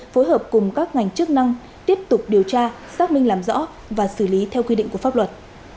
phối hợp cùng các ngành chức năng tiếp tục điều tra xác minh làm rõ và xử lý theo quy định của pháp luật